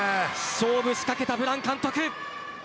勝負を仕掛けたブラン監督。